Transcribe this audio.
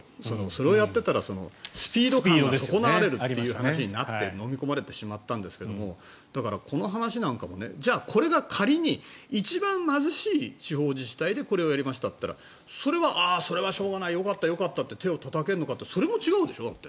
それをやっていたらスピード感が損なわれるという話になってのみ込まれてしまったんですがだからこの話なんかもじゃあ、これが仮に一番貧しい地方自治体でこれをやりましたといったらそれはしょうがないよかった、よかったって手をたたけるのかってそれも違うでしょ。